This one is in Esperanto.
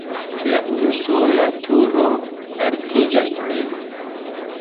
La unusola turo altiĝas meze.